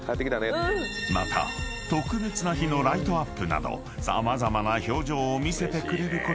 ［また特別な日のライトアップなど様々な表情を見せてくれることも大きな魅力］